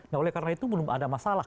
nah oleh karena itu belum ada masalah